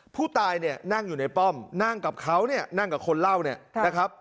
ผู้ตายนั่งอยู่ในป้อมนั่งกับเขานั่งกับคนเล่า